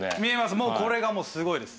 もうこれがすごいです。